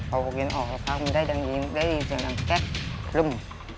เอาโปรเก็นต์ออกแล้วครับมันได้ยินเสียงดังแก๊บลึ้ม